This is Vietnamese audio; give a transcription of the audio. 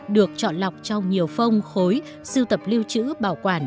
được chọn lọc trong nhiều phong khối siêu tập liêu chữ bảo quản